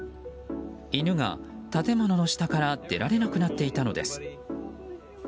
犬が建物の下から出られなくなっていたのです。